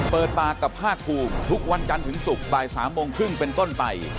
เปิดปากกับภาคภูมิทุกวันจันทร์ถึงศุกร์บ่าย๓โมงครึ่งเป็นต้นไป